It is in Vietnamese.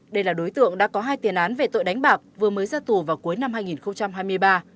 đây là đối tượng đã có hai tiền án về tội đánh bạc vừa mới ra tù vào cuối năm hai nghìn hai mươi ba